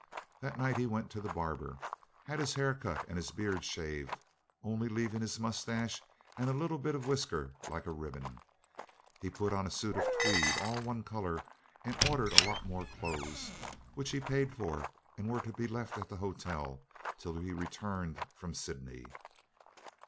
That night he went to the barber, had his hair cut and his beard shaved, only leaving his moustache and a bit of whisker like a ribbon. He put on a suit of tweed, all one colour, and ordered a lot more clothes, which he paid for, and were to be left at the hotel till he returned from Sydney.